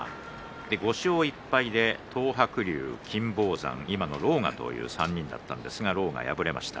５勝１敗で東白龍、金峰山に今の狼雅という３人だったんですが狼雅が敗れました。